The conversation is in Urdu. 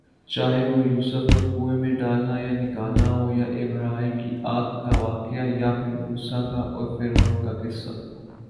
چاہے وہ یوسف ؑ کو کنویں میں ڈالنا یا نکالنا ہوا یا ابراھیمؑ کی آگ کا واقعہ یا پھر موسیؑ کا اور فرعون کا قصہ